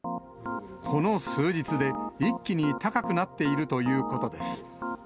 この数日で一気に高くなっているということです。